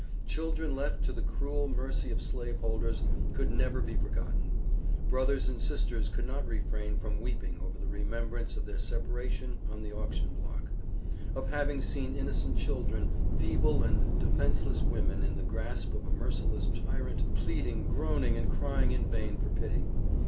Children left to the cruel mercy of slave holders, could never be forgotten. Brothers and sisters could not refrain from weeping over the remembrance of their separation on the auction block: of having seen innocent children, feeble and defenceless women in the grasp of a merciless tyrant, pleading, groaning, and crying in vain for pity.